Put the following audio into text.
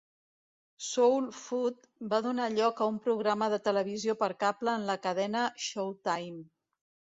"Soul Food" va donar lloc a un programa de televisió per cable en la cadena Showtime.